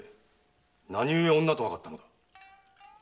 何故女とわかったのだ？